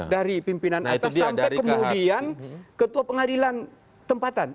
dari pimpinan atas sampai kemudian ketua pengadilan tempatan